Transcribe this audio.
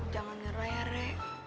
jangan nyerah ya re